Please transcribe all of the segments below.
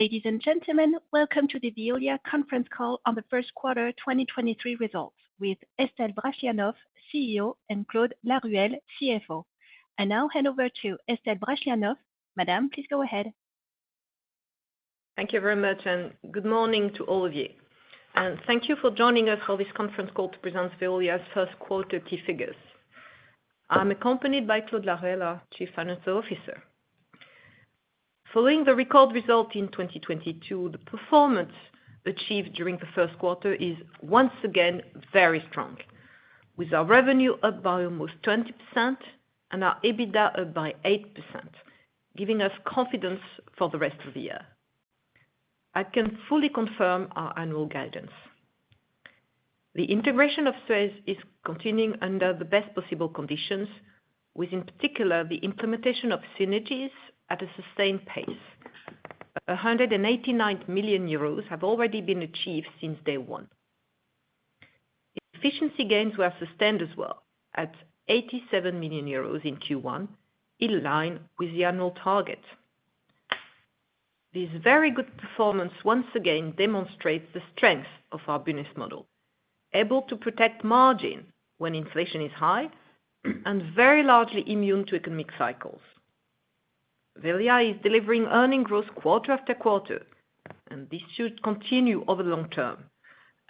Ladies and gentlemen, welcome to the Veolia conference call on the first quarter 2023 results with Estelle Brachlianoff, CEO, and Claude Laruelle, CFO. I now hand over to Estelle Brachlianoff. Madame, please go ahead. Thank you very much, good morning to all of you. Thank you for joining us for this conference call to present Veolia's first quarter key figures. I'm accompanied by Claude Laruelle, our Chief Financial Officer. Following the record result in 2022, the performance achieved during the first quarter is once again very strong. With our revenue up by almost 20% and our EBITDA up by 8%, giving us confidence for the rest of the year. I can fully confirm our annual guidance. The integration of SUEZ is continuing under the best possible conditions, with in particular, the implementation of synergies at a sustained pace. 189 million euros have already been achieved since day one. Efficiency gains were sustained as well at 87 million euros in Q1, in line with the annual target. This very good performance once again demonstrates the strength of our business model, able to protect margin when inflation is high and very largely immune to economic cycles. Veolia is delivering earning growth quarter after quarter, and this should continue over the long term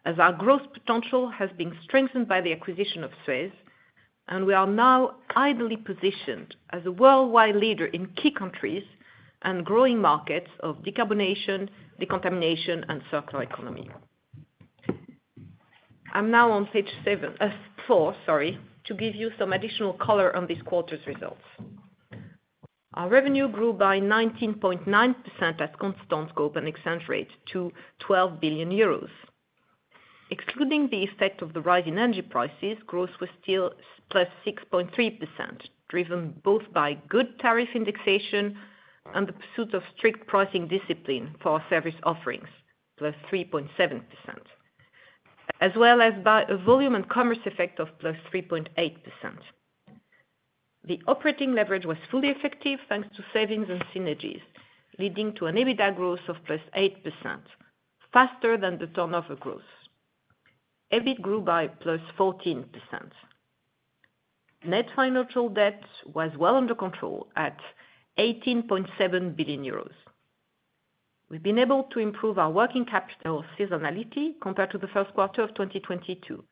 as our growth potential has been strengthened by the acquisition of SUEZ, and we are now ideally positioned as a worldwide leader in key countries and growing markets of decarbonation, decontamination, and circular economy. I'm now on page seven, four, sorry, to give you some additional color on this quarter's results. Our revenue grew by 19.9% at constant scope and exchange rate to 12 billion euros. Excluding the effect of the rise in energy prices, growth was still +6.3%, driven both by good tariff indexation and the pursuit of strict pricing discipline for our service offerings, +3.7%, as well as by a volume and commerce effect of +3.8%. The operating leverage was fully effective, thanks to savings and synergies, leading to an EBITDA growth of +8%, faster than the turnover growth. EBIT grew by +14%. Net financial debt was well under control at 18.7 billion euros. We've been able to improve our working capital seasonality compared to the first quarter of 2022,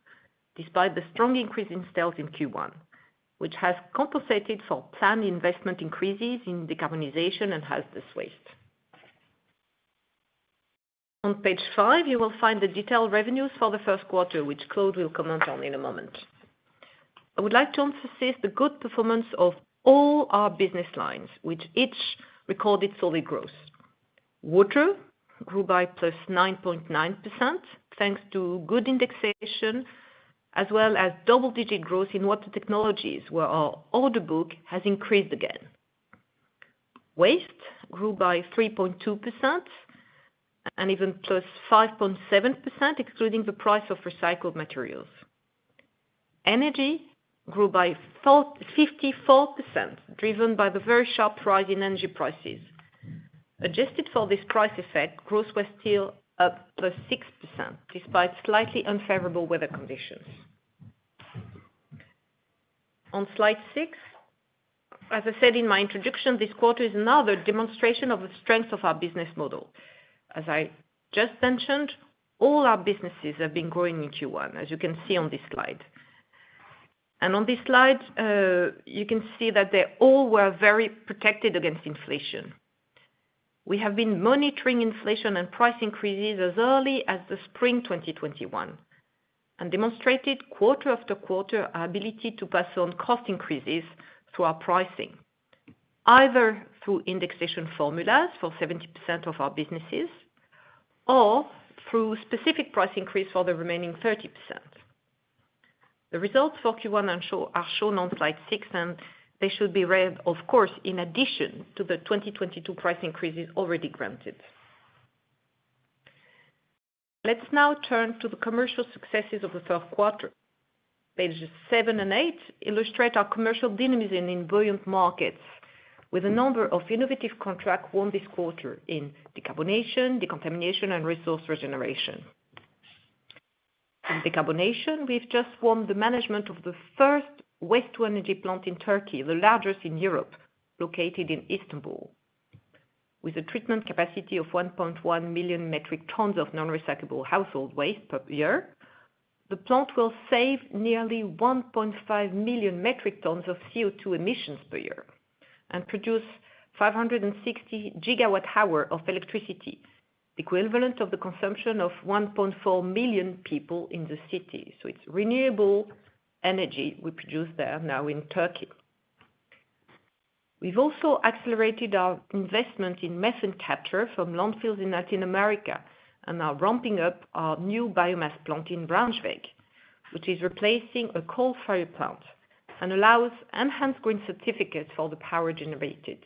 despite the strong increase in sales in Q1, which has compensated for planned investment increases in decarbonization and hazardous waste. On page five, you will find the detailed revenues for the first quarter, which Claude will comment on in a moment. I would like to emphasize the good performance of all our business lines, with each recorded solid growth. Water grew by +9.9%, thanks to good indexation, as well as double-digit growth in Water Technologies, where our order book has increased again. Waste grew by 3.2%, and even +5.7%, excluding the price of recycled materials. Energy grew by 54%, driven by the very sharp rise in energy prices. Adjusted for this price effect, growth was still up +6%, despite slightly unfavorable weather conditions. On slide six, as I said in my introduction, this quarter is another demonstration of the strength of our business model. As I just mentioned, all our businesses have been growing in Q1, as you can see on this slide. On this slide, you can see that they all were very protected against inflation. We have been monitoring inflation and price increases as early as the spring 2021 and demonstrated quarter after quarter our ability to pass on cost increases through our pricing, either through indexation formulas for 70% of our businesses or through specific price increase for the remaining 30%. The results for Q1 are shown on slide six, they should be read, of course, in addition to the 2022 price increases already granted. Let's now turn to the commercial successes of the third quarter. Pages seven and eight illustrate our commercial dynamism in buoyant markets with a number of innovative contracts won this quarter in decarbonation, decontamination, and resource regeneration. In decarbonation, we've just won the management of the first waste to energy plant in Turkey, the largest in Europe, located in Istanbul. With a treatment capacity of 1.1 million metric tons of non-recyclable household waste per year, the plant will save nearly 1.5 million metric tons of CO2 emissions per year and produce 560 GWH of electricity, equivalent of the consumption of 1.4 million people in the city. It's renewable energy we produce there now in Turkey. We've also accelerated our investment in methane capture from landfills in Latin America and are ramping up our new biomass plant in Braunschweig, which is replacing a coal-fired plant and allows enhanced green certificates for the power generated.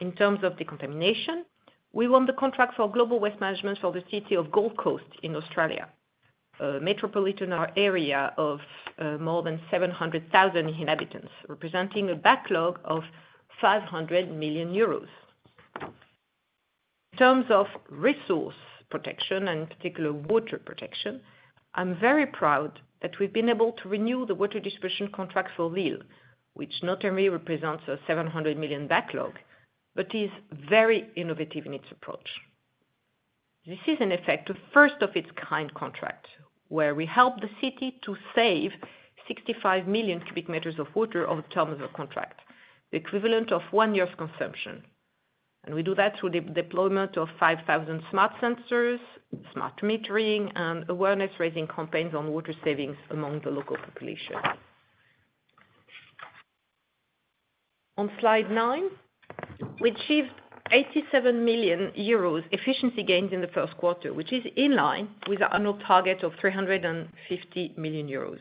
In terms of decontamination, we won the contract for global waste management for the city of Gold Coast in Australia. A metropolitan area of more than 700,000 inhabitants, representing a backlog of 500 million euros. In terms of resource protection, and in particular water protection, I'm very proud that we've been able to renew the water distribution contract for Lille, which not only represents a 700 million backlog, but is very innovative in its approach. This is, in effect, a first of its kind contract, where we help the city to save 65 million cubic meters of water over the term of the contract, the equivalent of one year of consumption. We do that through deployment of 5,000 smart sensors, smart metering, and awareness-raising campaigns on water savings among the local population. On slide nine, we achieved 87 million euros efficiency gains in the first quarter, which is in line with our annual target of 350 million euros.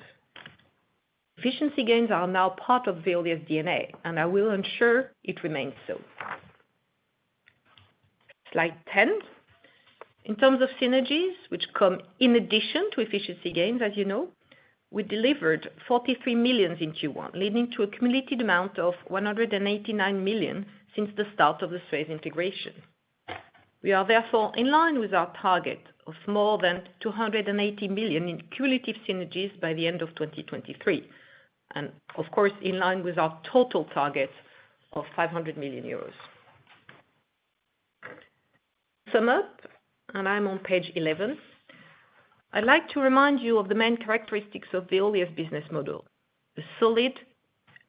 Efficiency gains are now part of Veolia's DNA. I will ensure it remains so. Slide 10. In terms of synergies, which come in addition to efficiency gains, as you know, we delivered 43 million in Q1, leading to a cumulative amount of 189 million since the start of the SUEZ integration. We are therefore in line with our target of more than 280 million in cumulative synergies by the end of 2023. Of course, in line with our total target of 500 million euros. Sum up. I'm on page 11. I'd like to remind you of the main characteristics of Veolia's business model, a solid,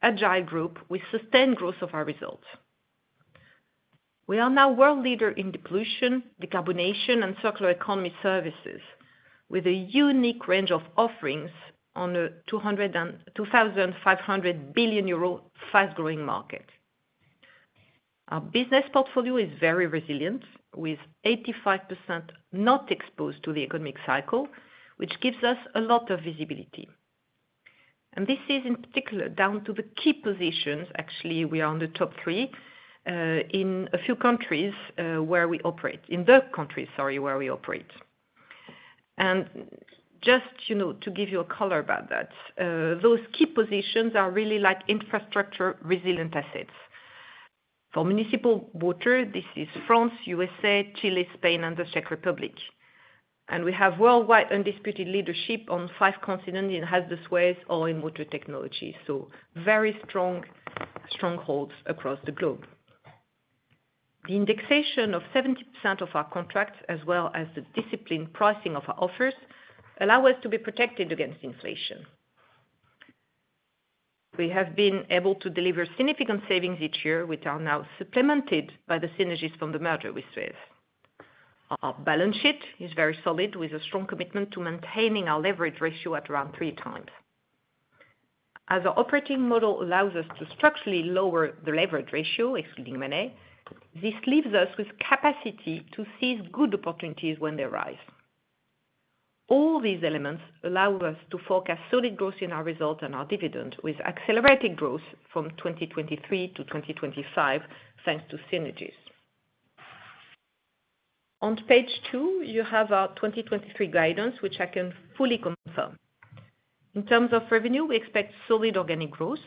agile group with sustained growth of our results. We are now world leader in depollution, decarbonation, and circular economy services, with a unique range of offerings on a 202,500 billion euro fast-growing market. Our business portfolio is very resilient, with 85% not exposed to the economic cycle, which gives us a lot of visibility. This is in particular down to the key positions. Actually, we are on the top three in a few countries where we operate. In the countries, sorry, where we operate. Just, you know, to give you a color about that. Those key positions are really like infrastructure resilient assets. For municipal water, this is France, U.S.A, Chile, Spain, and the Czech Republic. We have worldwide undisputed leadership on five continents in hazardous waste or in water technology, so very strong strongholds across the globe. The indexation of 70% of our contracts, as well as the disciplined pricing of our offers, allow us to be protected against inflation. We have been able to deliver significant savings each year, which are now supplemented by the synergies from the merger with SUEZ. Our balance sheet is very solid, with a strong commitment to maintaining our leverage ratio at around 3x. As our operating model allows us to structurally lower the leverage ratio, excluding money, this leaves us with capacity to seize good opportunities when they arise. All these elements allow us to forecast solid growth in our results and our dividends, with accelerated growth from 2023 to 2025, thanks to synergies. On page two, you have our 2023 guidance, which I can fully confirm. In terms of revenue, we expect solid organic growth.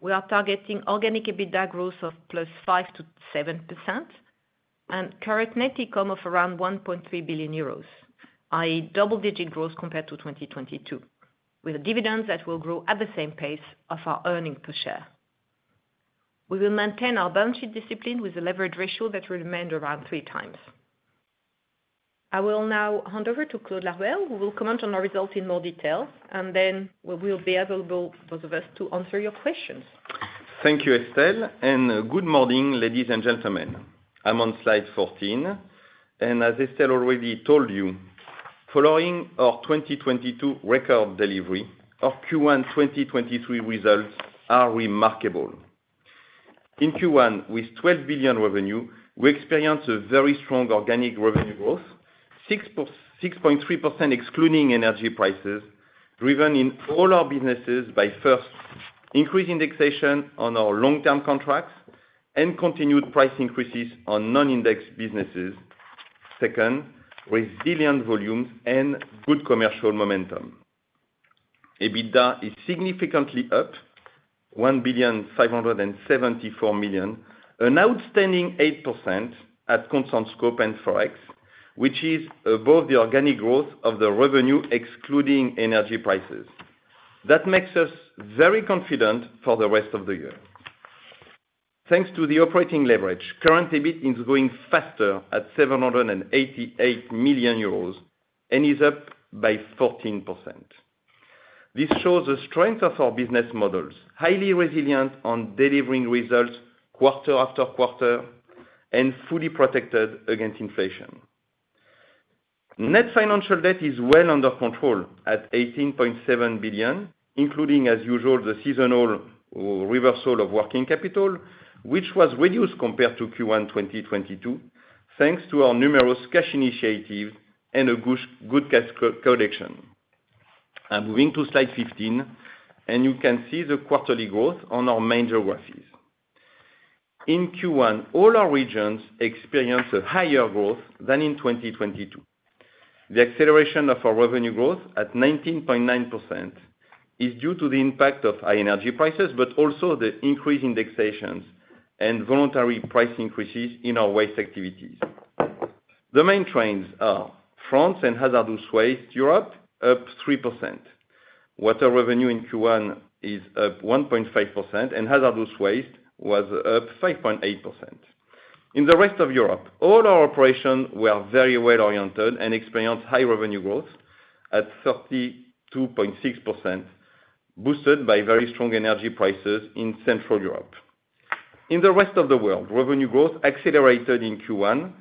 We are targeting organic EBITDA growth of +5% to 7% and current net income of around 1.3 billion euros, i.e., double-digit growth compared to 2022, with a dividend that will grow at the same pace of our earnings per share. We will maintain our balance sheet discipline with a leverage ratio that will remain around 3 times. I will now hand over to Claude Laruelle, who will comment on our results in more details, and then we will be available, those of us, to answer your questions. Thank you, Estelle. Good morning, ladies and gentlemen. I'm on slide 14. As Estelle already told you, following our 2022 record delivery, our Q1 2023 results are remarkable. In Q1, with 12 billion revenue, we experienced a very strong organic revenue growth, 6.3% excluding energy prices, driven in all our businesses by, first, increased indexation on our long-term contracts and continued price increases on non-indexed businesses. Second, resilient volumes and good commercial momentum. EBITDA is significantly up 1,574 million, an outstanding 8% at constant scope and Forex, which is above the organic growth of the revenue excluding energy prices. That makes us very confident for the rest of the year. Thanks to the operating leverage, current EBIT is growing faster at 788 million euros and is up by 14%. This shows the strength of our business models, highly resilient on delivering results quarter after quarter and fully protected against inflation. Net financial debt is well under control at 18.7 billion, including, as usual, the seasonal reversal of working capital, which was reduced compared to Q1 2022, thanks to our numerous cash initiatives and a good cash collection. I'm moving to slide 15. You can see the quarterly growth on our major geographies. In Q1, all our regions experienced a higher growth than in 2022. The acceleration of our revenue growth at 19.9% is due to the impact of high energy prices, but also the increased indexations and voluntary price increases in our waste activities. The main trends are France and hazardous waste Europe up 3%. Water revenue in Q1 is up 1.5%. Hazardous waste was up 5.8%. In the rest of Europe, all our operations were very well-oriented and experienced high revenue growth at 32.6%, boosted by very strong energy prices in Central Europe. In the rest of the world, revenue growth accelerated in Q1,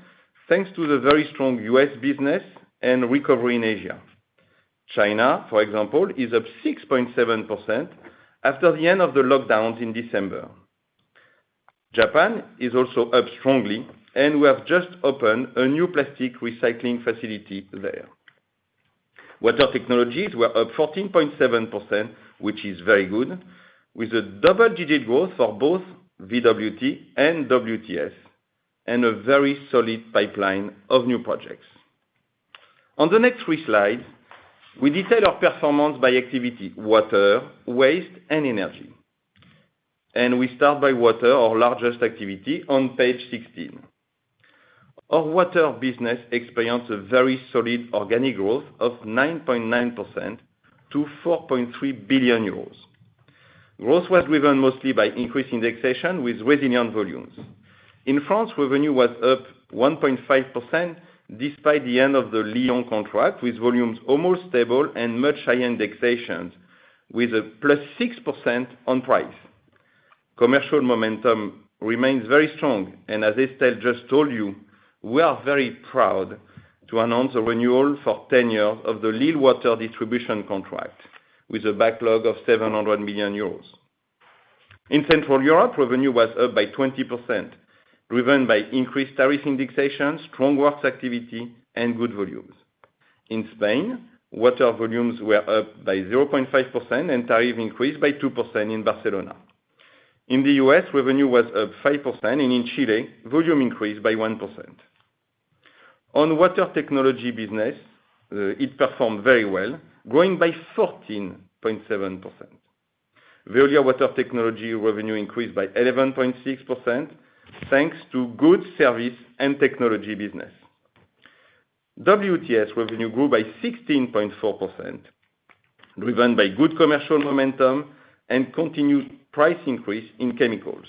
thanks to the very strong U.S. business and recovery in Asia. China, for example, is up 6.7% after the end of the lockdowns in December. Japan is also up strongly. We have just opened a new plastic recycling facility there. Water technologies were up 14.7%, which is very good, with a double-digit growth for both VWT and WTS and a very solid pipeline of new projects. On the next three slides, we detail our performance by activity, water, waste, and energy. We start by water, our largest activity, on page 16. Our water business experienced a very solid organic growth of 9.9% to 4.3 billion euros. Growth was driven mostly by increased indexation with resilient volumes. In France, revenue was up 1.5% despite the end of the Lyon contract, with volumes almost stable and much higher indexations, with a +6% on price. Commercial momentum remains very strong. As Estelle just told you, we are very proud to announce a renewal for 10 years of the Lille water distribution contract with a backlog of 700 million euros. In Central Europe, revenue was up by 20%, driven by increased tariff indexation, strong works activity, and good volumes. In Spain, water volumes were up by 0.5% and tariff increased by 2% in Barcelona. In the U.S., revenue was up 5%, and in Chile, volume increased by 1%. On water technology business, it performed very well, growing by 14.7%. Veolia Water Technologies revenue increased by 11.6%, thanks to good service and technology business. WTS revenue grew by 16.4%, driven by good commercial momentum and continued price increase in chemicals.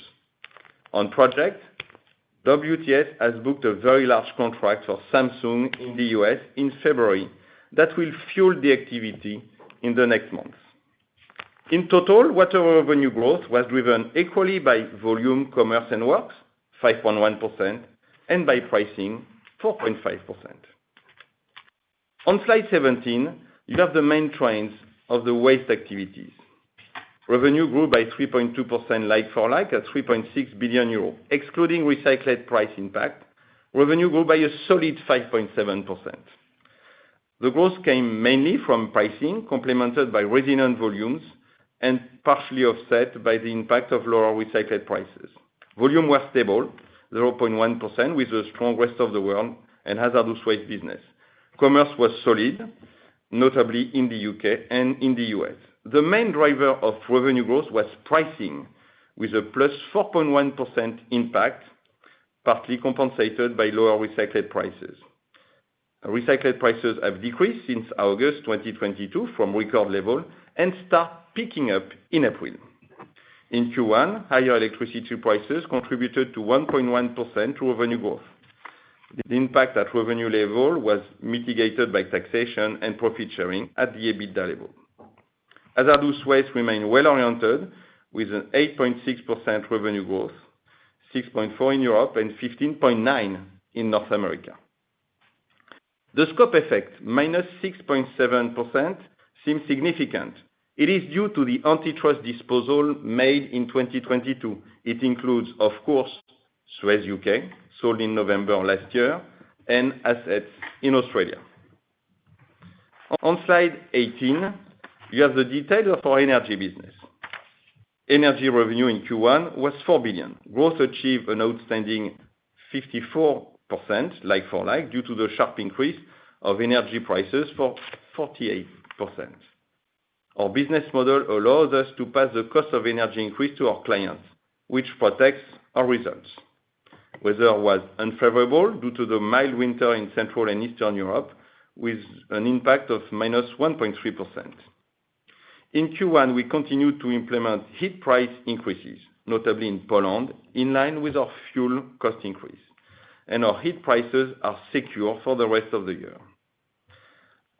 On project, WTS has booked a very large contract for Samsung in the U.S. in February that will fuel the activity in the next months. In total, water revenue growth was driven equally by volume, commerce, and works, 5.1%, and by pricing, 4.5%. On slide 17, you have the main trends of the waste activities. Revenue grew by 3.2% like-for-like, at 3.6 billion euro. Excluding recycled price impact, revenue grew by a solid 5.7%. The growth came mainly from pricing, complemented by resilient volumes and partially offset by the impact of lower recycled prices. Volume was stable, 0.1%, with a strong rest of the world and hazardous waste business. Commerce was solid, notably in the U.K. and in the U.S.. The main driver of revenue growth was pricing, with a +4.1% impact, partly compensated by lower recycled prices. Recycled prices have decreased since August 2022 from record level and start picking up in April. In Q1, higher electricity prices contributed to 1.1% revenue growth. The impact at revenue level was mitigated by taxation and profit sharing at the EBITDA level. Hazardous waste remained well-oriented with an 8.6% revenue growth, 6.4% in Europe and 15.9% in North America. The scope effect, -6.7%, seems significant. It is due to the antitrust disposal made in 2022. It includes, of course, SUEZ U.K., sold in November of last year, and assets in Australia. On slide 18, you have the detail of our energy business. Energy revenue in Q1 was 4 billion. Growth achieved an outstanding 54% like for like, due to the sharp increase of energy prices for 48%. Our business model allows us to pass the cost of energy increase to our clients, which protects our results. Weather was unfavorable due to the mild winter in Central and Eastern Europe, with an impact of -1.3%. In Q1, we continued to implement heat price increases, notably in Poland, in line with our fuel cost increase. Our heat prices are secure for the rest of the year.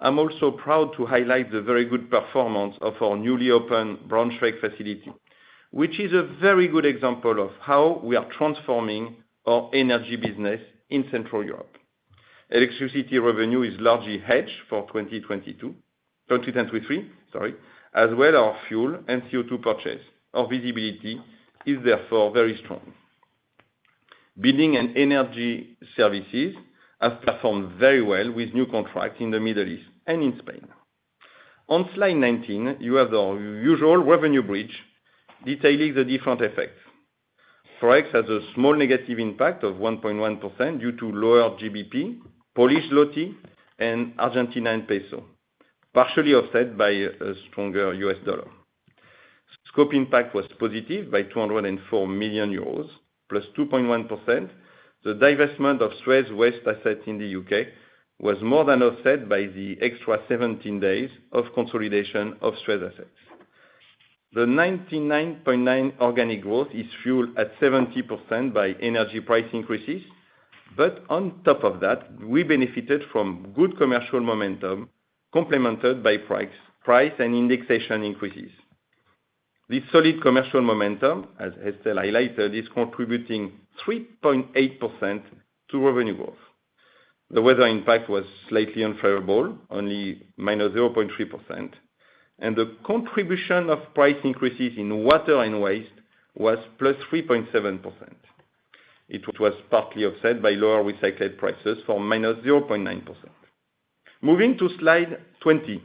I'm also proud to highlight the very good performance of our newly opened Braunschweig facility, which is a very good example of how we are transforming our energy business in Central Europe. Electricity revenue is largely hedged for 2022, 2023, sorry, as well our fuel and CO2 purchase. Our visibility is therefore very strong. Building and energy services have performed very well with new contracts in the Middle East and in Spain. On slide 19, you have the usual revenue bridge detailing the different effects. Forex has a small negative impact of 1.1% due to lower GBP, Polish zloty, and Argentine peso, partially offset by a stronger U.S. dollar. Scope impact was positive by 204 million euros, +2.1%. The divestment of SUEZ waste assets in the U.K. was more than offset by the extra 17 days of consolidation of SUEZ assets. The 99.9 organic growth is fueled at 70% by energy price increases. On top of that, we benefited from good commercial momentum, complemented by price and indexation increases. This solid commercial momentum, as Estelle highlighted, is contributing 3.8% to revenue growth. The weather impact was slightly unfavorable, only -0.3%, and the contribution of price increases in water and waste was +3.7%. It was partly offset by lower recyclate prices for -0.9%. Moving to slide 20.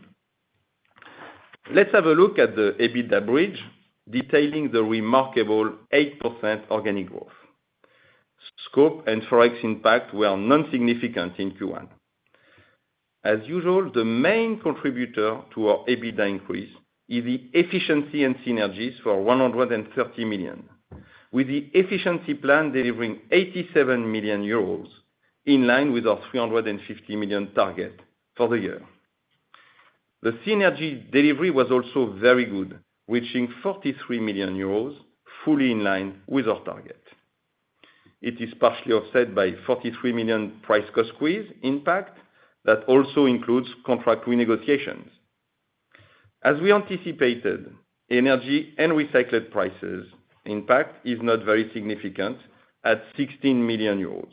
Let's have a look at the EBITDA bridge, detailing the remarkable 8% organic growth. Scope and Forex impact were non-significant in Q1. As usual, the main contributor to our EBITDA increase is the efficiency and synergies for 130 million, with the efficiency plan delivering 87 million euros, in line with our 350 million target for the year. The synergy delivery was also very good, reaching 43 million euros, fully in line with our target. It is partially offset by 43 million price cost squeeze impact that also includes contract renegotiations. As we anticipated, energy and recycled prices impact is not very significant at 16 million euros,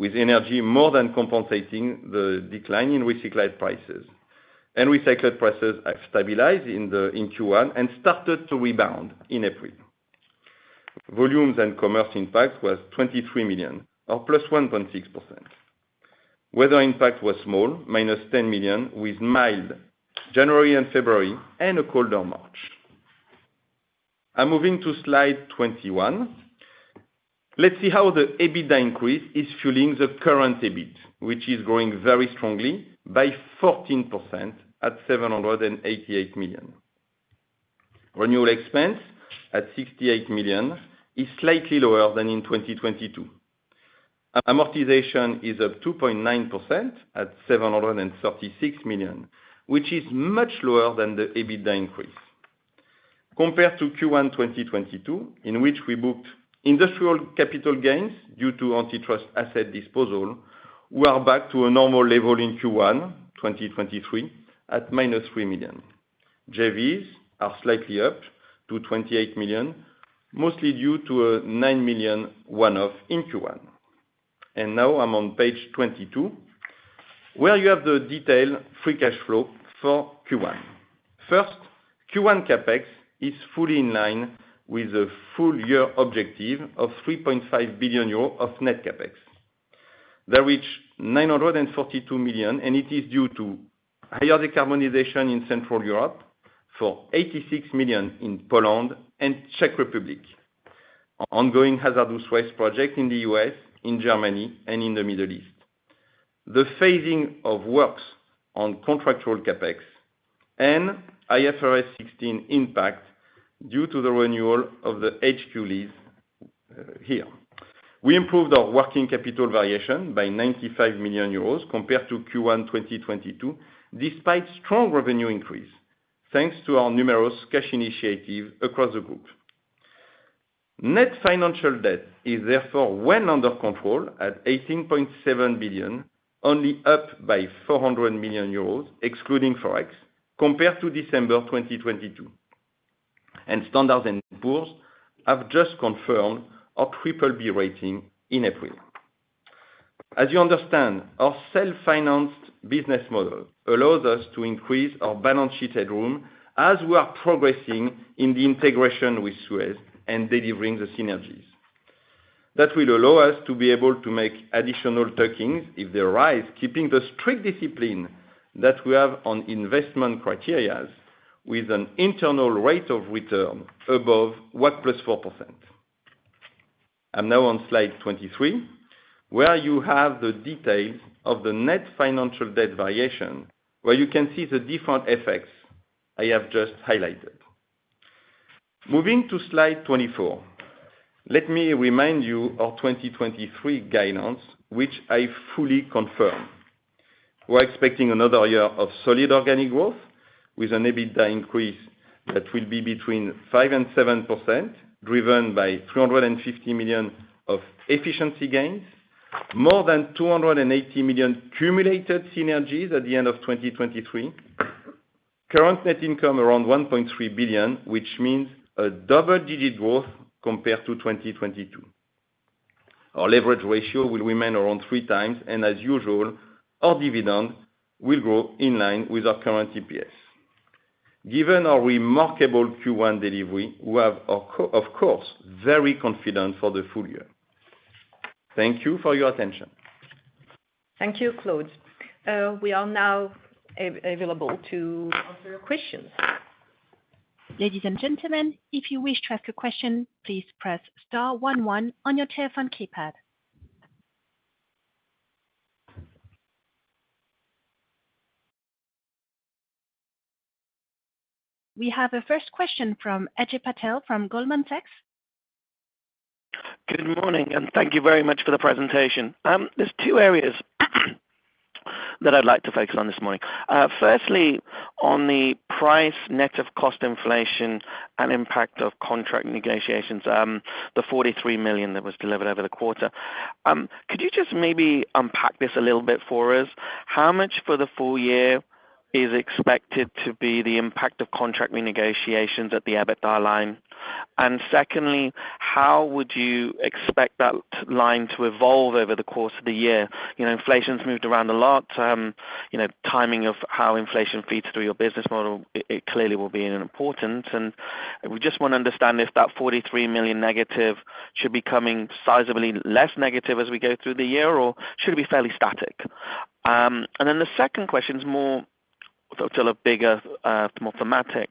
with energy more than compensating the decline in recycled prices. Recycled prices have stabilized in Q1 and started to rebound in April. Volumes and commerce impact was 23 million or +1.6%. Weather impact was small, -10 million, with mild January and February and a colder March. I'm moving to slide 21. Let's see how the EBITDA increase is fueling the current EBIT, which is growing very strongly by 14% at 788 million. Renewal expense at 68 million is slightly lower than in 2022. Amortization is up 2.9% at 736 million, which is much lower than the EBITDA increase. Compared to Q1, 2022, in which we booked industrial capital gains due to antitrust asset disposal, we are back to a normal level in Q1, 2023 at -3 million. JVs are slightly up to 28 million, mostly due to a 9 million one-off in Q1. Now I'm on page 22, where you have the detailed free cash flow for Q1. Q1 CapEx is fully in line with the full year objective of 3.5 billion euro of net CapEx. They reach 942 million, it is due to higher decarbonization in Central Europe for 86 million in Poland and Czech Republic. Ongoing hazardous waste project in the U.S., in Germany, and in the Middle East. The phasing of works on contractual CapEx and IFRS 16 impact due to the renewal of the HQ lease here. We improved our working capital variation by 95 million euros compared to Q1 2022, despite strong revenue increase, thanks to our numerous cash initiative across the group. Net financial debt is therefore well under control at 18.7 billion, only up by 400 million euros, excluding Forex, compared to December 2022. Standard & Poor's have just confirmed our BBB rating in April. As you understand, our self-financed business model allows us to increase our balance sheet headroom as we are progressing in the integration with SUEZ and delivering the synergies. That will allow us to be able to make additional tuck-ins if they arise, keeping the strict discipline that we have on investment criterias with an internal rate of return above WACC plus 4%. I'm now on slide 23, where you have the details of the net financial debt variation, where you can see the different effects I have just highlighted. Moving to slide 24, let me remind you our 2023 guidance, which I fully confirm. We're expecting another year of solid organic growth with an EBITDA increase that will be between 5% and 7%, driven by 350 million of efficiency gains. More than 280 million cumulative synergies at the end of 2023. Current net income around 1.3 billion, which means a double-digit growth compared to 2022. Our leverage ratio will remain around 3 times, and as usual, our dividend will grow in line with our current EPS. Given our remarkable Q1 delivery, we are of course, very confident for the full year. Thank you for your attention. Thank you, Claude. We are now available to answer your questions. Ladies and gentlemen, if you wish to ask a question, please press star one one on your telephone keypad. We have a first question from Ajay Patel from Goldman Sachs. Good morning. Thank you very much for the presentation. There's two areas that I'd like to focus on this morning. Firstly, on the price net of cost inflation and impact of contract negotiations, the 43 million that was delivered over the quarter. Could you just maybe unpack this a little bit for us? How much for the full year is expected to be the impact of contract negotiations at the EBITDA line? Secondly, how would you expect that line to evolve over the course of the year? You know, inflation's moved around a lot. You know, timing of how inflation feeds through your business model, it clearly will be important. We just wanna understand if that 43 million negative should be coming sizably less negative as we go through the year, or should it be fairly static? The second question is more sort of bigger, more thematic.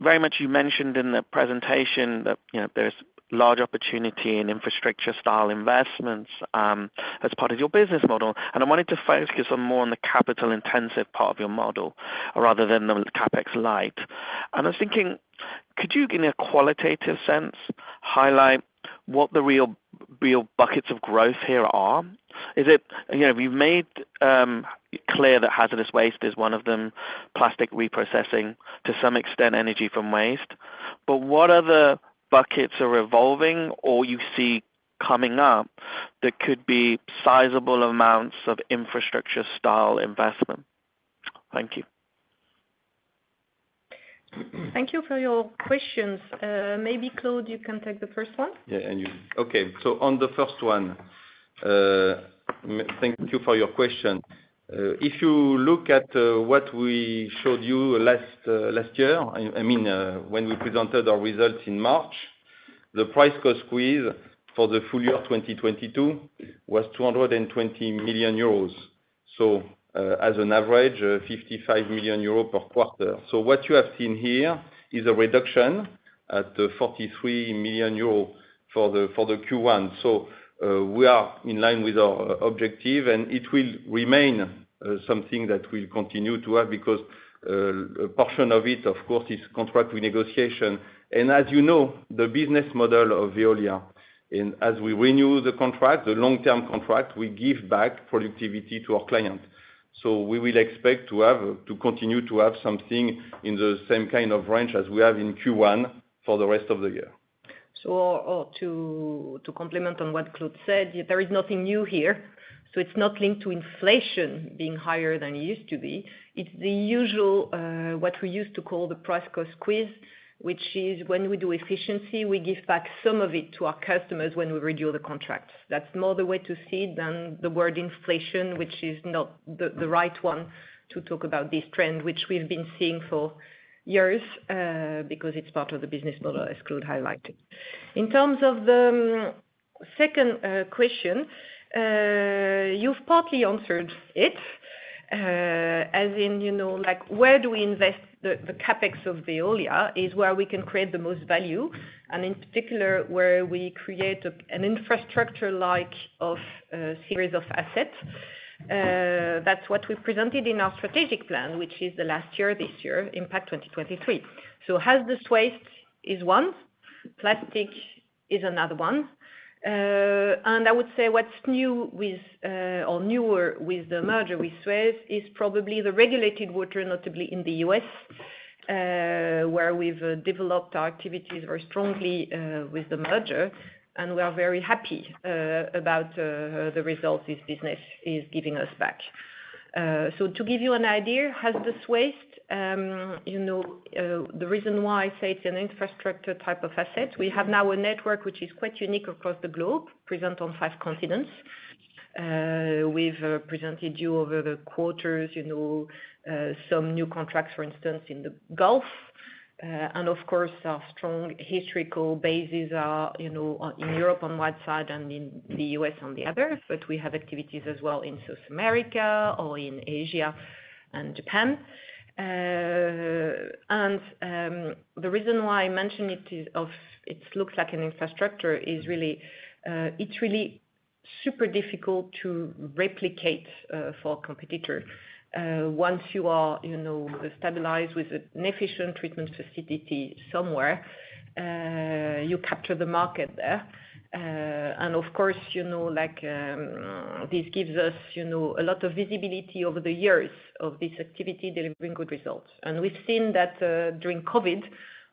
Very much you mentioned in the presentation that, you know, there's large opportunity in infrastructure style investments, as part of your business model. I wanted to focus on more on the capital intensive part of your model rather than the CapEx light. I was thinking, could you, in a qualitative sense, highlight what the real buckets of growth here are? Is it? You know, we've made it clear that hazardous waste is one of them, plastic reprocessing, to some extent, energy from waste. What other buckets are evolving or you see coming up that could be sizable amounts of infrastructure style investment? Thank you. Thank you for your questions. Maybe, Claude, you can take the first one. Yeah. Okay. On the first one, thank you for your question. If you look at what we showed you last year, I mean, when we presented our results in March, the price cost squeeze for the full year of 2022 was 220 million euros. As an average, 55 million euros per quarter. What you have seen here is a reduction at 43 million euros for the Q1. We are in line with our objective, and it will remain something that we'll continue to have because a portion of it, of course, is contract negotiation. As you know, the business model of Veolia, and as we renew the contract, the long-term contract, we give back productivity to our client. We will expect to have, to continue to have something in the same kind of range as we have in Q1 for the rest of the year. Or to complement on what Claude said, there is nothing new here. It's not linked to inflation being higher than it used to be. It's the usual, what we used to call the price cost squeeze, which is when we do efficiency, we give back some of it to our customers when we renew the contracts. That's more the way to see it than the word inflation, which is not the right one to talk about this trend, which we've been seeing for years, because it's part of the business model, as Claude highlighted. In terms of the second question, you've partly answered it, as in, you know, like, where do we invest the CapEx of Veolia is where we can create the most value, and in particular, where we create an infrastructure like of a series of assets. That's what we presented in our strategic plan, which is the last year, this year, Impact 2023. Hazardous waste is one, plastic is another one. I would say what's new with or newer with the merger with SUEZ is probably the regulated water, notably in the U.S., where we've developed our activities very strongly with the merger, and we are very happy about the results this business is giving us back. To give you an idea, hazardous waste, you know, the reason why I say it's an infrastructure type of asset, we have now a network which is quite unique across the globe, present on five continents. We've presented you over the quarters, you know, some new contracts, for instance, in the Gulf. Of course, our strong historical bases are, you know, in Europe on one side and in the U.S. on the other. We have activities as well in South America or in Asia and Japan. The reason why I mention it is it looks like an infrastructure is really, it's really super difficult to replicate for a competitor. Once you are, you know, stabilized with an efficient treatment facility somewhere, you capture the market there. Of course, you know, like, this gives us, you know, a lot of visibility over the years of this activity delivering good results. We've seen that during COVID,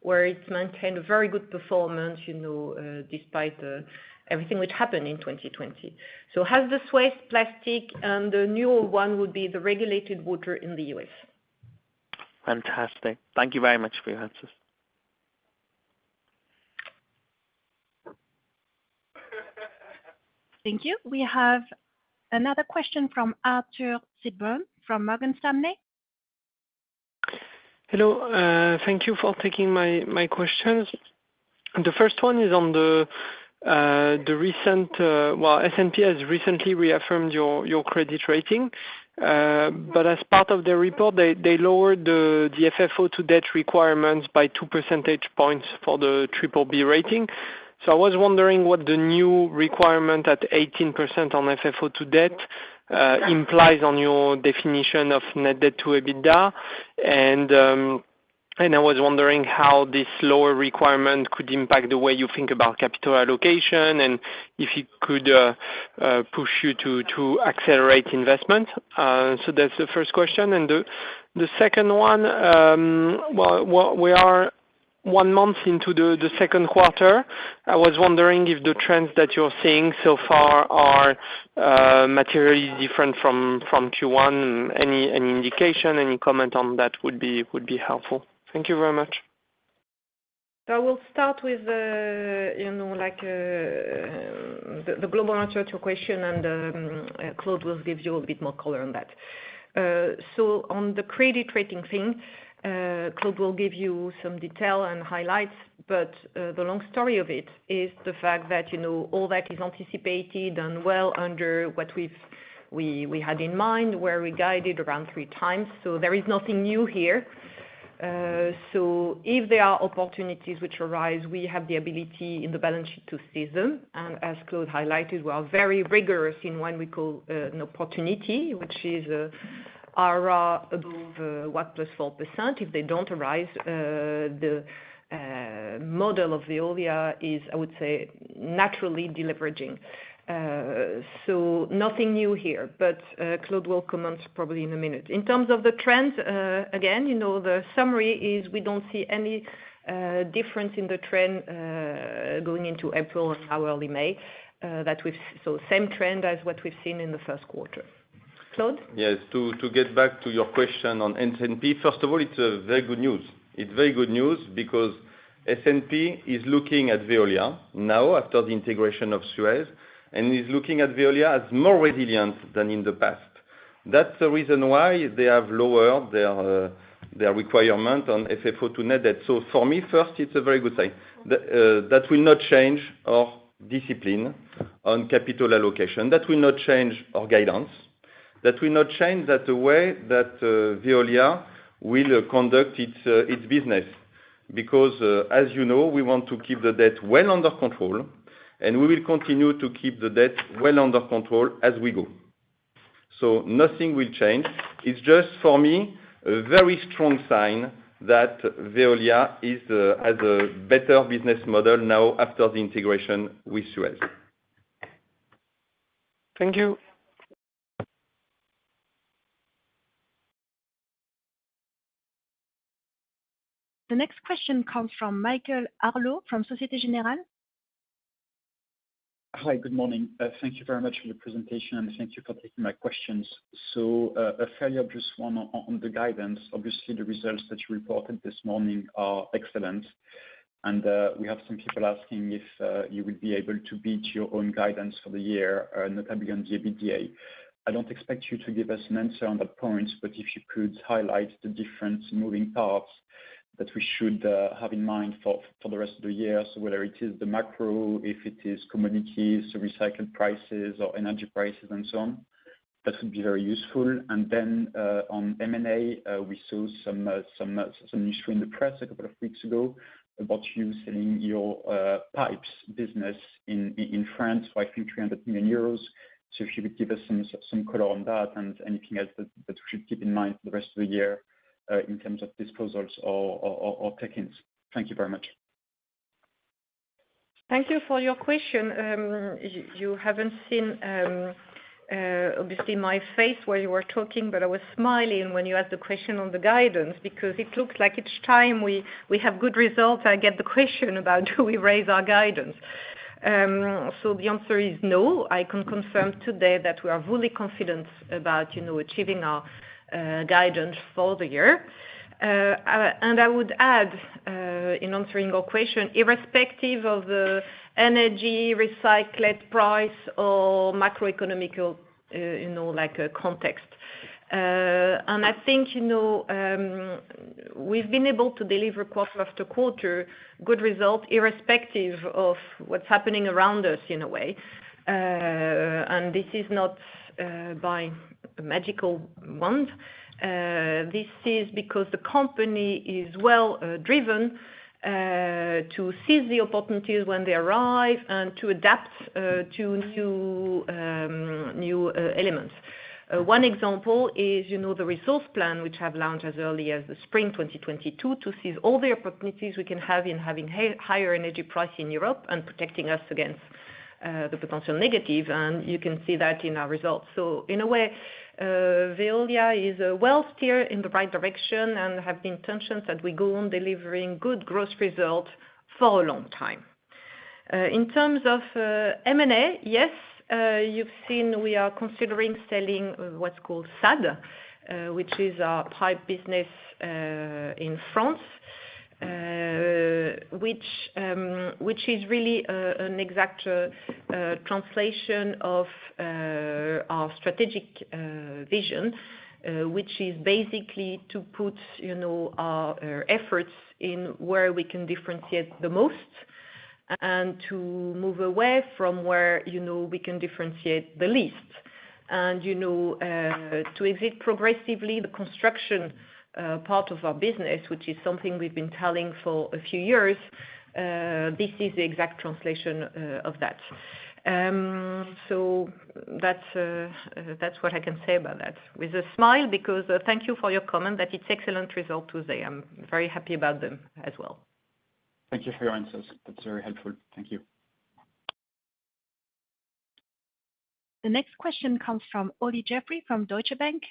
where it's maintained a very good performance, you know, despite everything which happened in 2020. Hazardous waste, plastic, and the newer one would be the regulated water in the U.S. Fantastic. Thank you very much for your answers. Thank you. We have another question from Arthur Sitbon from Morgan Stanley. Hello. Thank you for taking my questions. The first one. S&P has recently reaffirmed your credit rating, but as part of the report, they lowered the FFO to debt requirements by 2 percentage points for the BBB rating. I was wondering what the new requirement at 18% on FFO to debt implies on your definition of net debt to EBITDA. I was wondering how this lower requirement could impact the way you think about capital allocation, and if it could push you to accelerate investment. That's the first question. The second one, we are one month into the second quarter. I was wondering if the trends that you're seeing so far are materially different from Q1. Any indication, any comment on that would be helpful. Thank you very much. I will start with, you know, like, the global answer to your question. Claude will give you a bit more color on that. On the credit rating thing, Claude will give you some detail and highlights, but the long story of it is the fact that, you know, all that is anticipated and well under what we had in mind, where we guided around 3x. There is nothing new here. If there are opportunities which arise, we have the ability in the balance sheet to seize them. As Claude highlighted, we are very rigorous in when we call an opportunity, which is IRR above 1 + 4%. If they don't arise, the model of Veolia is, I would say, naturally deleveraging. Nothing new here, but Claude will comment probably in a minute. In terms of the trends, again, you know, the summary is we don't see any difference in the trend going into April and early May. Same trend as what we've seen in the first quarter. Claude? Yes. To get back to your question on S&P, first of all, it's very good news. It's very good news because S&P is looking at Veolia now after the integration of SUEZ, and is looking at Veolia as more resilient than in the past. That's the reason why they have lowered their requirement on FFO to net debt. For me, first, it's a very good sign. That will not change our discipline on capital allocation. That will not change our guidance. That will not change that the way that Veolia will conduct its business. As you know, we want to keep the debt well under control, and we will continue to keep the debt well under control as we go. Nothing will change. It's just, for me, a very strong sign that Veolia is, has a better business model now after the integration with SUEZ. Thank you. The next question comes from Michael Haigh from Société Générale. Hi, good morning. Thank you very much for your presentation, and thank you for taking my questions. A fairly obvious one on the guidance. Obviously, the results that you reported this morning are excellent, and we have some people asking if you will be able to beat your own guidance for the year, notably on the EBITDA. I don't expect you to give us an answer on that point, but if you could highlight the different moving parts that we should have in mind for the rest of the year. Whether it is the macro, if it is commodities, the recycled prices or energy prices and so on, that would be very useful. On M&A, we saw some news through the press a couple of weeks ago about you selling your, pipes business in France for a few hundred million EUR. If you could give us some color on that and anything else that we should keep in mind for the rest of the year, in terms of disposals or take-ins. Thank you very much. Thank you for your question. You haven't seen obviously my face while you were talking, but I was smiling when you asked the question on the guidance because it looks like each time we have good results, I get the question about do we raise our guidance. The answer is no. I can confirm today that we are fully confident about, you know, achieving our guidance for the year. I would add in answering your question, irrespective of the energy recycled price or macroeconomical, you know, like, context. I think, you know, we've been able to deliver quarter after quarter good results irrespective of what's happening around us in a way. This is not by a magical wand. This is because the company is well driven to seize the opportunities when they arrive and to adapt to new new elements. One example is, you know, the resource plan which have launched as early as the spring 2022 to seize all the opportunities we can have in having higher energy price in Europe and protecting us against the potential negative, and you can see that in our results. In a way, Veolia is well-steered in the right direction and have the intentions that we go on delivering good growth result for a long time. In terms of M&A, yes, you've seen we are considering selling what's called SADE, which is our pipe business in France. Which is really an exact translation of our strategic vision, which is basically to put, you know, our efforts in where we can differentiate the most and to move away from where, you know, we can differentiate the least. You know, to exit progressively the construction part of our business, which is something we've been telling for a few years, this is the exact translation of that. That's what I can say about that with a smile because thank you for your comment that it's excellent result today. I'm very happy about them as well. Thank you for your answers. That's very helpful. Thank you. The next question comes from Olly Jeffery from Deutsche Bank.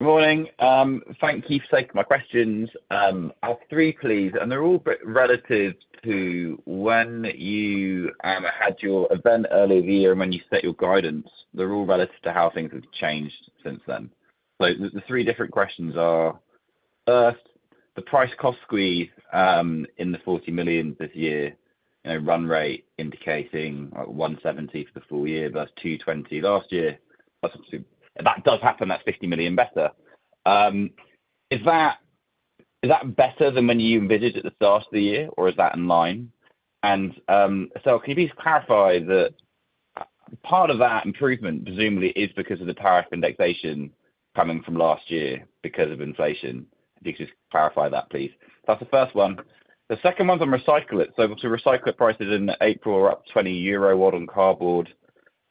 Morning. Thank you for taking my questions. I have three, please, and they're all re-relative to when you had your event early year when you set your guidance. They're all relative to how things have changed since then. The three different questions are, first, the price cost squeeze in the 40 million this year, you know, run rate indicating 170 for the full year versus 220 last year. Obviously, if that does happen, that's 50 million better. Is that better than when you envisaged at the start of the year, or is that in line? Can you please clarify that part of that improvement presumably is because of the tariff indexation coming from last year because of inflation. Can you just clarify that, please? That's the first one. The second one's on recyclate. The recyclate prices in April were up 20 euro on cardboard.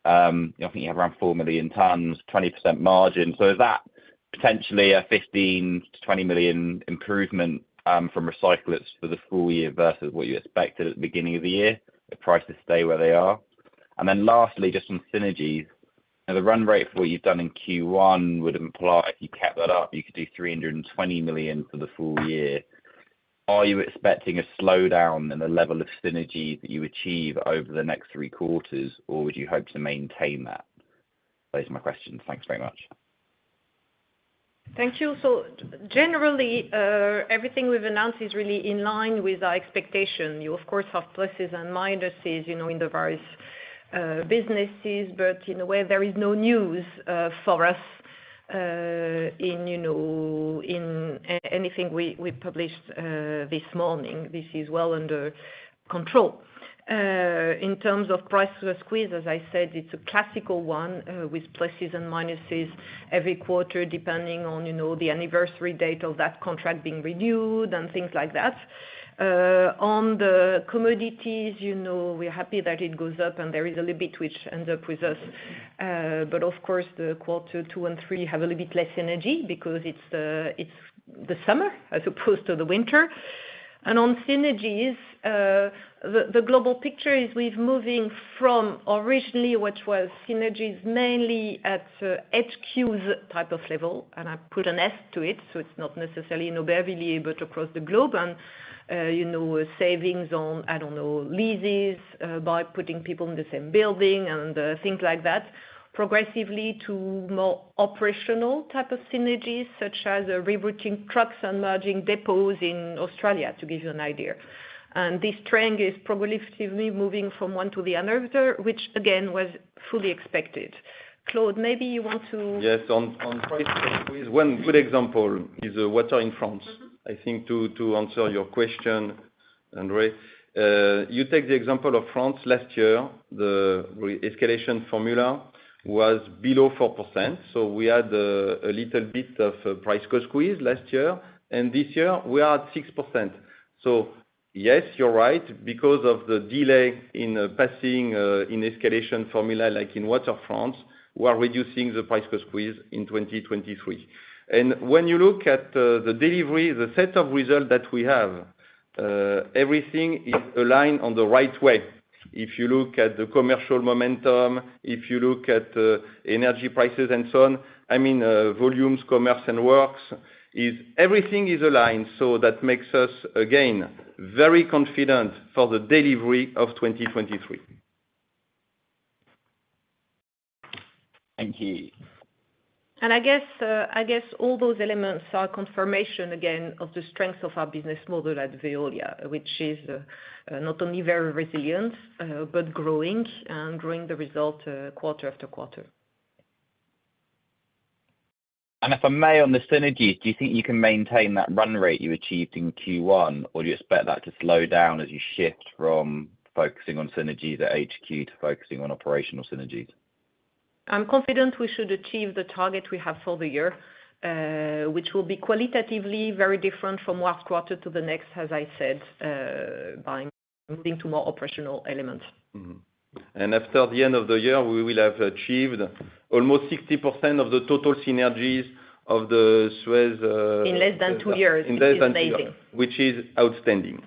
I think you have around 4 million tons, 20% margin. Is that potentially a 15 million-20 million improvement from recyclate for the full year versus what you expected at the beginning of the year, if prices stay where they are? Lastly, just on synergies. The run rate for what you've done in Q1 would imply if you kept that up, you could do 320 million for the full year. Are you expecting a slowdown in the level of synergies that you achieve over the next three quarters, or would you hope to maintain that? Those are my questions. Thanks very much. Thank you. Generally, everything we've announced is really in line with our expectation. You of course have pluses and minuses, you know, in the various businesses. In a way there is no news for us in, you know, anything we published this morning. This is well under control. In terms of price squeeze, as I said, it's a classical one with pluses and minuses every quarter, depending on, you know, the anniversary date of that contract being renewed and things like that. On the commodities, you know, we're happy that it goes up and there is a little bit which ends up with us. Of course, the quarter two and three have a little bit less energy because it's the summer as opposed to the winter. On synergies, the global picture is we're moving from originally, which was synergies mainly at HQs type of level, and I put an S to it, so it's not necessarily, you know, Beverly, but across the globe and, you know, savings on, I don't know, leases, by putting people in the same building and, things like that, progressively to more operational type of synergies, such as rerouting trucks and merging depots in Australia, to give you an idea. This trend is progressively moving from one to the another, which again, was fully expected. Claude, maybe you want to. Yes. On price squeeze, one good example is water in France. Mm-hmm. I think to answer your question, Andre, you take the example of France last year. The re-escalation formula was below 4%, so we had a little bit of a price cost squeeze last year, and this year we are at 6%. Yes, you're right. Because of the delay in passing an escalation formula like in Water France, we are reducing the price cost squeeze in 2023. When you look at the delivery, the set of results that we have, everything is aligned on the right way. If you look at the commercial momentum, if you look at energy prices and so on, I mean, volumes, commerce and works. Everything is aligned, so that makes us, again, very confident for the delivery of 2023. Thank you. I guess all those elements are confirmation again, of the strength of our business model at Veolia, which is not only very resilient, but growing and growing the result, quarter after quarter. If I may, on the synergies, do you think you can maintain that run rate you achieved in Q1, or do you expect that to slow down as you shift from focusing on synergies at HQ to focusing on operational synergies? I'm confident we should achieve the target we have for the year, which will be qualitatively very different from one quarter to the next, as I said, by moving to more operational elements. After the end of the year, we will have achieved almost 60% of the total synergies of the SUEZ. In less than two years. In less than two years. Which is amazing. Which is outstanding.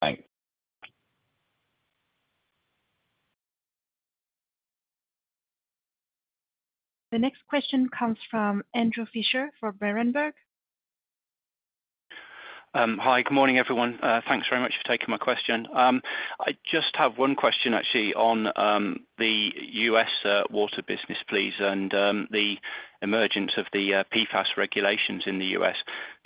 Thanks. The next question comes from Andrew Fisher for Berenberg. Hi, good morning, everyone. Thanks very much for taking my question. I just have one question actually on the U.S. water business, please, and the emergence of the PFAS regulations in the U.S.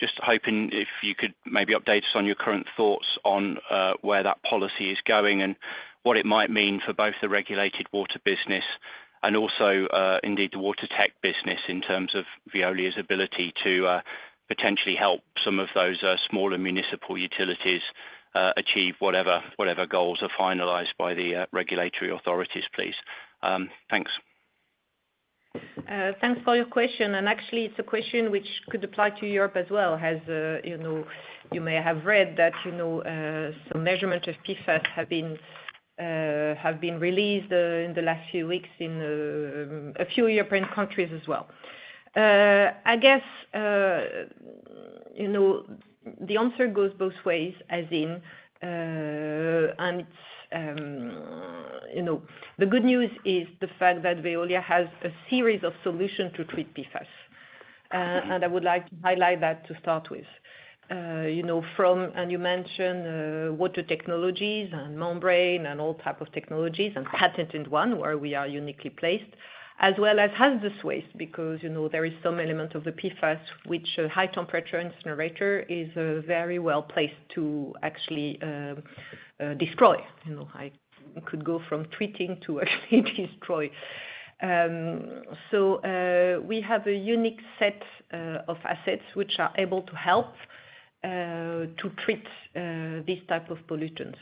Just hoping if you could maybe update us on your current thoughts on where that policy is going and what it might mean for both the regulated water business and also, indeed, the water tech business in terms of Veolia's ability to potentially help some of those smaller municipal utilities achieve whatever goals are finalized by the regulatory authorities, please. Thanks. Thanks for your question. Actually, it's a question which could apply to Europe as well. As, you know, you may have read that, you know, some measurement of PFAS have been released in the last few weeks in a few European countries as well. I guess, you know, the answer goes both ways, as in, and, you know. The good news is the fact that Veolia has a series of solution to treat PFAS, and I would like to highlight that to start with. You know, you mentioned water technologies and membrane and all type of technologies and patented one where we are uniquely placed, as well as hazardous waste. You know, there is some element of the PFAS which high temperature incinerator is very well-placed to actually destroy. You know, I could go from treating to actually destroy. So, we have a unique set of assets which are able to help to treat these type of pollutants.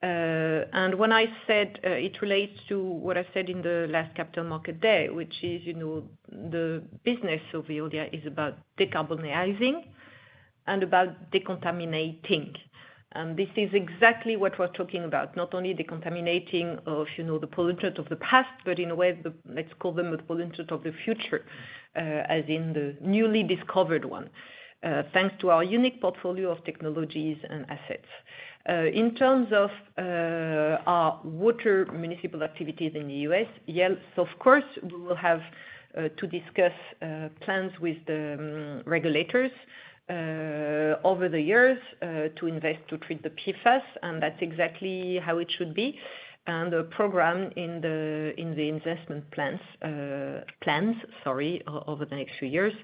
When I said, it relates to what I said in the last Capital Market Day, which is, you know, the business of Veolia is about decarbonizing and about decontaminating. This is exactly what we're talking about, not only decontaminating of, you know, the pollutant of the past, but in a way, the, let's call them the pollutant of the future, as in the newly discovered one, thanks to our unique portfolio of technologies and assets. In terms of our water municipal activities in the U.S., yes, of course, we will have to discuss plans with the regulators over the years to invest to treat the PFAS, and that's exactly how it should be. The program in the investment plans, sorry, over the next few years.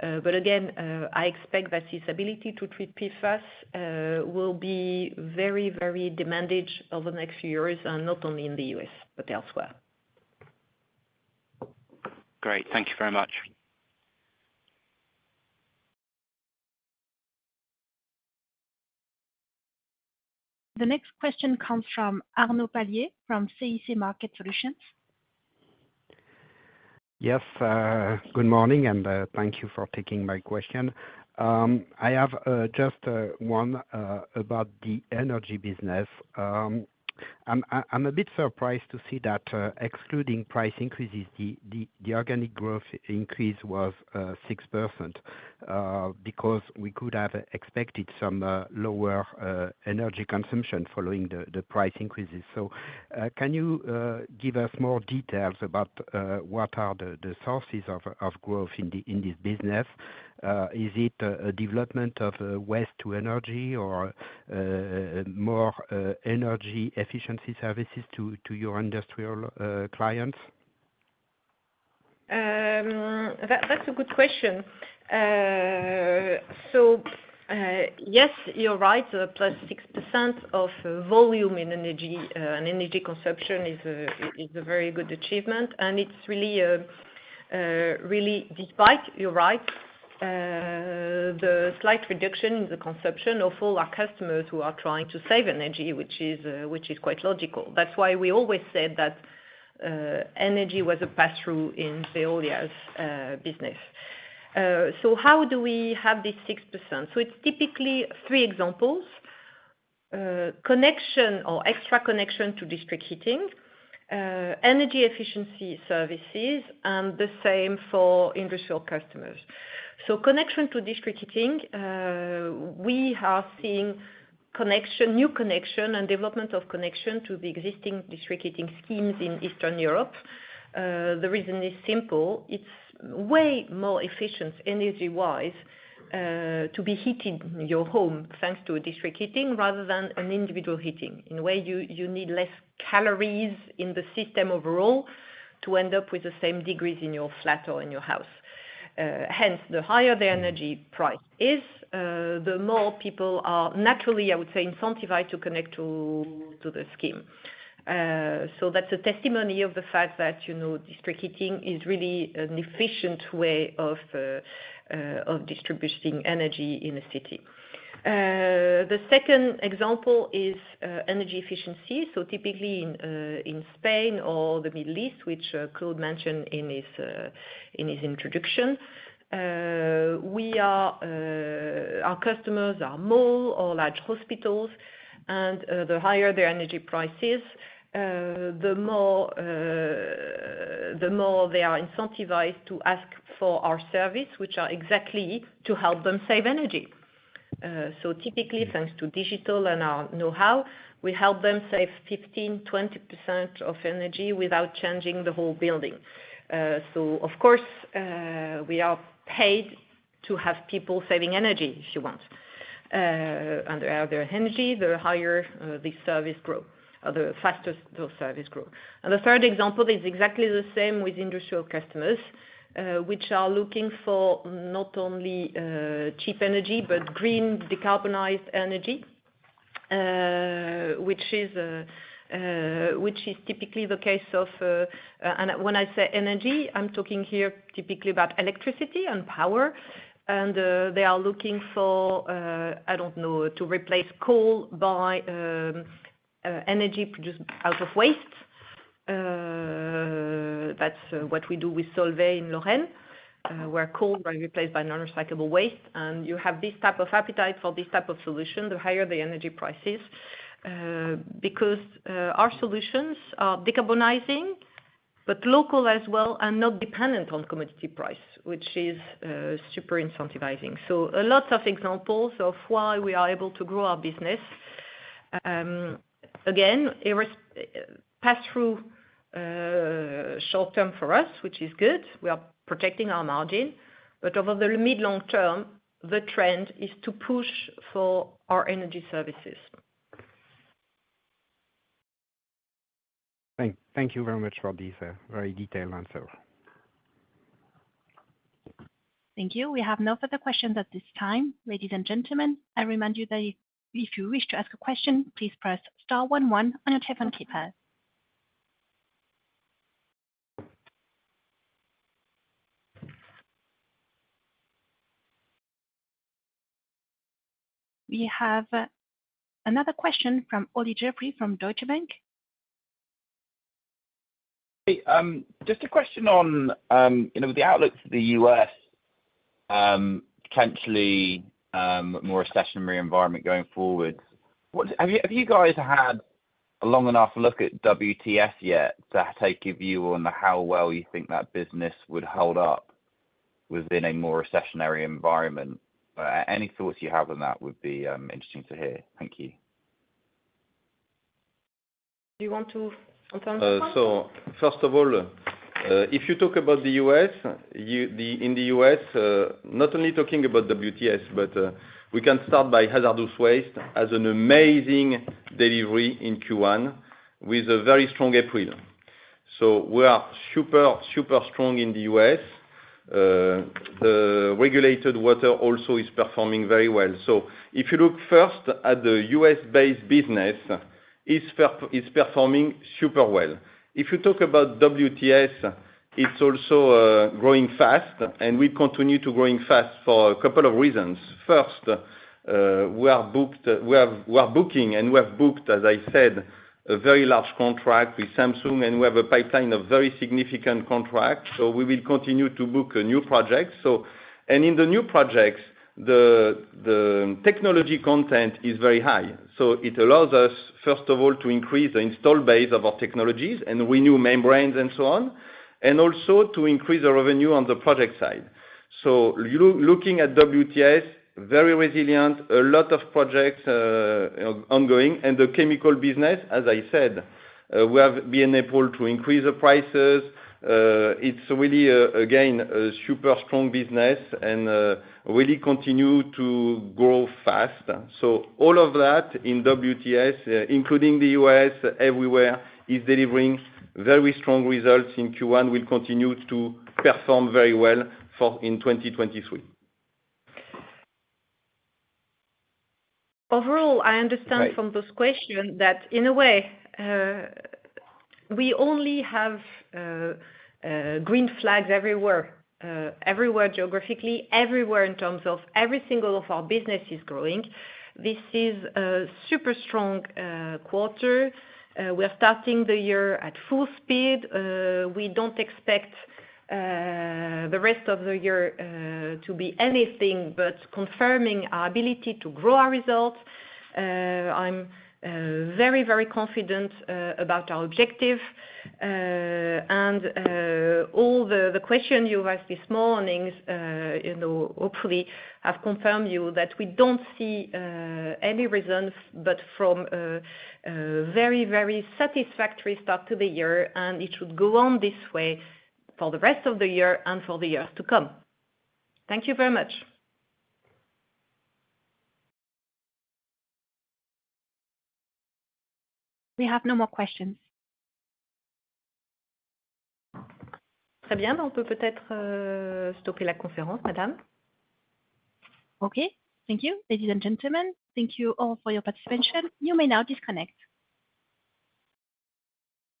Again, I expect that this ability to treat PFAS will be very demanded over the next few years, and not only in the U.S., but elsewhere. Great. Thank you very much. The next question comes from Arnaud Palliez from CIC Market Solutions. Yes. Good morning, thank you for taking my question. I have just one about the energy business. I'm a bit surprised to see that excluding price increases, the organic growth increase was 6%, because we could have expected some lower energy consumption following the price increases. Can you give us more details about what are the sources of growth in this business? Is it a development of waste-to-energy or more energy efficiency services to your industrial clients? That's a good question. Yes, you're right. Plus 6% of volume in energy, in energy consumption is a very good achievement. And it's really despite, you're right, the slight reduction in the consumption of all our customers who are trying to save energy, which is quite logical. That's why we always said that energy was a pass-through in Veolia's business. How do we have this 6%? It's typically three examples. Connection or extra connection to district heating, energy efficiency services, and the same for industrial customers. Connection to district heating, we are seeing connection, new connection and development of connection to the existing district heating schemes in Eastern Europe. The reason is simple. It's way more efficient energy-wise, to be heating your home thanks to a district heating rather than an individual heating. In a way, you need less calories in the system overall to end up with the same degrees in your flat or in your house. Hence, the higher the energy price is, the more people are naturally, I would say, incentivized to connect to the scheme. That's a testimony of the fact that, you know, district heating is really an efficient way of distributing energy in a city. The second example is energy efficiency. Typically in Spain or the Middle East, which Claude mentioned in his introduction, we are our customers are mall or large hospitals, and the higher their energy price is, the more they are incentivized to ask for our service, which are exactly to help them save energy. Typically, thanks to digital and our know-how, we help them save 15%, 20% of energy without changing the whole building. Of course, we are paid to have people saving energy if you want. The other energy, the higher the service grow or the faster those service grow. The third example is exactly the same with industrial customers, which are looking for not only cheap energy, but green decarbonized energy. Which is typically the case of, when I say energy, I'm talking here typically about electricity and power. They are looking for, I don't know, to replace coal by energy produced out of waste. That's what we do with Solvay in Lorraine, where coal are replaced by non-recyclable waste. You have this type of appetite for this type of solution, the higher the energy prices, because our solutions are decarbonizing, but local as well and not dependent on commodity price, which is super incentivizing. A lot of examples of why we are able to grow our business. Again, pass through, short term for us, which is good. We are protecting our margin, but over the mid long term, the trend is to push for our energy services. Thank you very much for this, very detailed answer. Thank you. We have no further questions at this time. Ladies and gentlemen, I remind you that if you wish to ask a question, please press star one one on your telephone keypad. We have another question from Olly Jeffery from Deutsche Bank. Just a question on, you know, the outlook for the U.S., potentially, more recessionary environment going forward. Have you guys had a long enough look at WTS yet to take a view on the how well you think that business would hold up within a more recessionary environment? Any thoughts you have on that would be interesting to hear. Thank you. Do you want to answer that one? First of all, if you talk about the U.S., in the U.S., not only talking about WTS, we can start by hazardous waste as an amazing delivery in Q1 with a very strong April. We are super strong in the U.S. The regulated water also is performing very well. If you look first at the U.S.-based business, it's performing super well. If you talk about WTS, it's also growing fast, and we continue to growing fast for a couple of reasons. First, we are booked. We are booking, and we have booked, as I said, a very large contract with Samsung, and we have a pipeline of very significant contract. We will continue to book a new project. In the new projects, the technology content is very high. It allows us, first of all, to increase the install base of our technologies and the new membranes and so on, and also to increase our revenue on the project side. Looking at WTS, very resilient, a lot of projects ongoing. The chemical business, as I said, we have been able to increase the prices. It's really, again, a super strong business and really continue to grow fast. All of that in WTS, including the U.S. everywhere, is delivering very strong results in Q1, will continue to perform very well for, in 2023. Overall, I understand from this question that in a way, we only have green flags everywhere. Everywhere geographically, everywhere in terms of every single of our business is growing. This is a super strong quarter. We are starting the year at full speed. We don't expect the rest of the year to be anything but confirming our ability to grow our results. I'm very, very confident about our objective. All the question you asked this morning, you know, hopefully have confirmed you that we don't see any reasons, but from a very, very satisfactory start to the year, and it should go on this way for the rest of the year and for the years to come. Thank you very much. We have no more questions. Okay. Thank you. Ladies and gentlemen, thank you all for your participation. You may now disconnect.